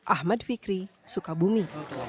ahmad fikri sukabumi